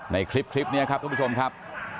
ในคลิปนี้ครับทุกผู้ชมครับ